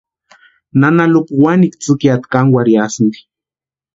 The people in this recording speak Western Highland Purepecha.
Nana Lupa wanikwa tsïkiata kankwarhiasïnti.